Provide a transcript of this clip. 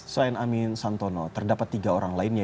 selain amin santono terdapat tiga orang lainnya